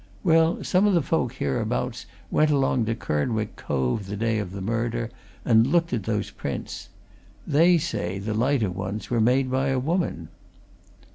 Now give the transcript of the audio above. Well, some of the folk hereabouts went along to Kernwick Cove the day of the murder, and looked at those prints. They say the lighter ones were made by a woman."